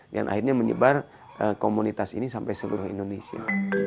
yang akhirnya menyebar komunitas ini sampai seluruh indonesia